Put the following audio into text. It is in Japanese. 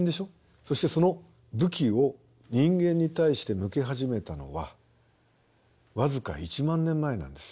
そしてその武器を人間に対して向け始めたのは僅か１万年前なんです。